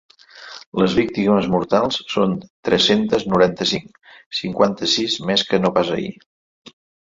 Les víctimes mortals són tres-centes noranta-cinc, cinquanta-sis més que no pas ahir.